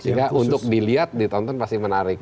sehingga untuk dilihat ditonton pasti menarik